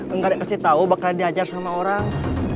enggak ada yang kasih tau bakal diajar sama orang